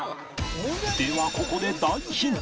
ではここで大ヒント